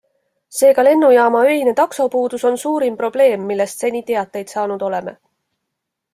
Seega lennujaama öine taksopuudus on suurim probleem, millest seni teateid saanud oleme.